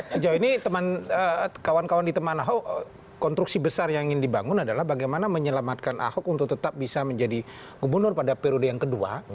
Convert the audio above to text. sejauh ini kawan kawan di teman ahok konstruksi besar yang ingin dibangun adalah bagaimana menyelamatkan ahok untuk tetap bisa menjadi gubernur pada periode yang kedua